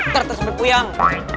putar tersampai puyang